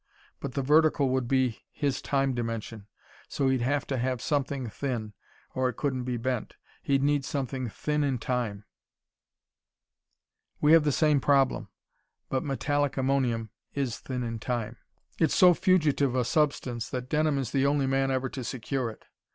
But the vertical would be his time dimension, so he'd have to have something thin, or it couldn't be bent. He'd need something 'thin in time.' "We have the same problem. But metallic ammonium is 'thin in time.' It's so fugitive a substance that Denham is the only man ever to secure it.